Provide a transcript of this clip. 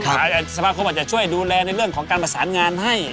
สมาคมอาจจะช่วยดูแลในเรื่องของการประสานงานให้